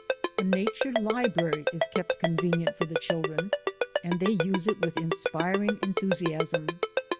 A nature library is kept convenient for the chil dren and they use it with inspiring enthusiasm.